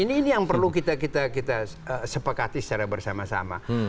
ini yang perlu kita sepakati secara bersama sama